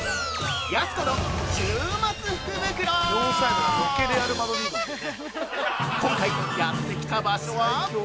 「やす子の週末福袋」今回やってきた場所は◆